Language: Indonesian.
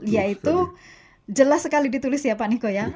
yaitu jelas sekali ditulis ya pak niko ya